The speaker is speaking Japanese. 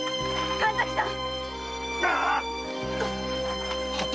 神崎さん！